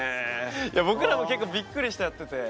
僕らも結構びっくりしちゃってて。